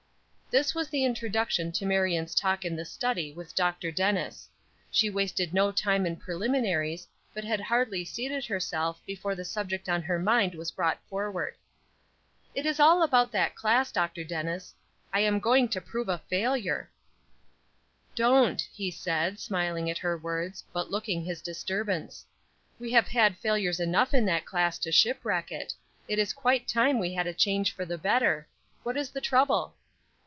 This was the introduction to Marion's talk in the study with Dr. Dennis. She wasted no time in preliminaries, but had hardly seated herself before the subject on her mind was brought forward. "It is all about that class, Dr. Dennis. I am going to prove a failure." "Don't," he said, smiling at her words, but looking his disturbance; "we have had failures enough in that class to shipwreck it; it is quite time we had a change for the better. What is the trouble?"